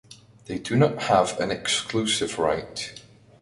They do not have an exclusive right.